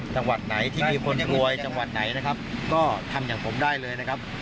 จังหวัดไหนที่มีคนรวยจังหวัดไหนนะครับก็ทำอย่างผมได้เลยนะครับ